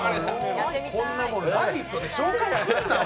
こんなもん、「ラヴィット！」で紹介すんな。